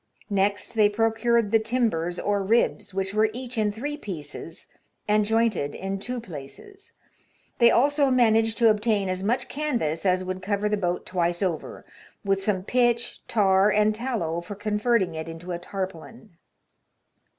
Next they procured the timbers or ribs, which were each in three pieces, and jointed in two places. They also managed to obtain as much canvas as would cover the boat twice over, with 88 HAZARDOUS VOYAGES. some pitch, tar, and tallow for converting it into a tar paulin.